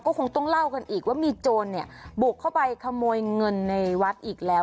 คงต้องเล่ากันอีกว่ามีโจรเนี่ยบุกเข้าไปขโมยเงินในวัดอีกแล้ว